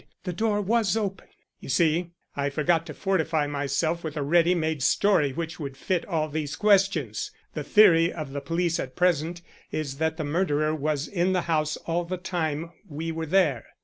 "The door was open." "You see, I forgot to fortify myself with a ready made story which would fit all these questions. The theory of the police at present is that the murderer was in the house all the time we were there."